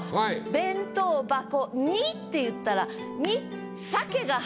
「弁当箱に」って言ったら「に」